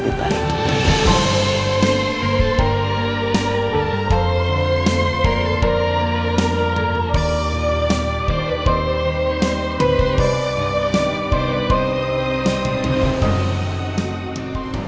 dan dikendalikan dari tuhan